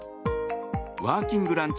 ワーキングランチ